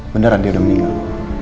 beneran dia udah meninggal